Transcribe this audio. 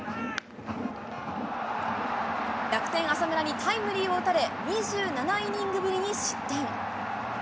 楽天、浅村にタイムリーを打たれ、２７イニングぶりに失点。